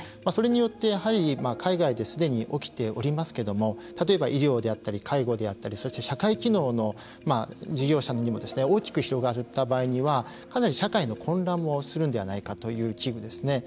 それによってやはり海外ですでに起きておりますけども例えば医療であったり介護であったりそして、社会機能の事業者にも大きく広がった場合にはかなり社会の混乱もするんではないかという危惧ですね。